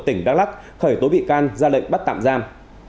tỉnh đắk lắc khởi tố bị can ra lệnh bắt tạm giam